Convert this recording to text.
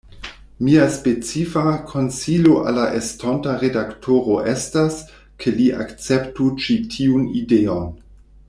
Mia specifa konsilo al la estonta redaktoro estas, ke li akceptu ĉi tiun ideon.